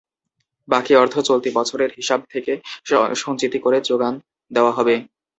বাকি অর্থ চলতি বছরের হিসাব থেকে সঞ্চিতি করে জোগান দেওয়া হবে।